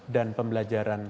dan pembelajaran trump